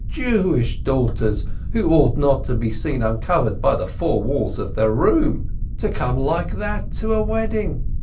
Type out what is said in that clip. Jewish daughters, who ought not to be seen uncovered by the four walls of their room, to come like that to a wedding!